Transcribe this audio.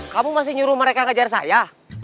kamu masih nyuruh mereka kejar saya